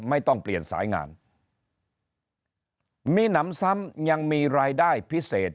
ไม่ต้องเปลี่ยนสายงานมีหนำซ้ำยังมีรายได้พิเศษ